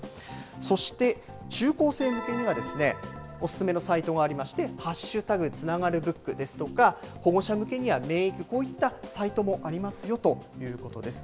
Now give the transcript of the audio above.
そして、中高生向けには、お勧めのサイトがありまして、＃つながるＢＯＯＫですとか、保護者向けには、命育、こういったサイトもありますよということです。